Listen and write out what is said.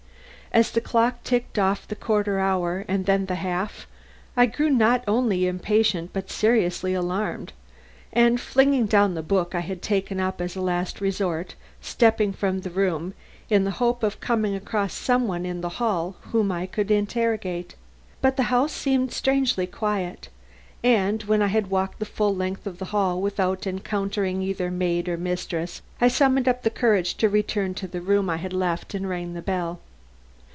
As the clock ticked off the quarter hour, and then the half, I grew not only impatient but seriously alarmed, and flinging down the book I had taken up as a last resort, stepped from the room, in the hope of coming across some one in the hall whom I could interrogate. But the house seemed strangely quiet, and when I had walked the full length of the hall without encountering either maid or mistress, I summoned up courage to return to the room I had left and ring the bell.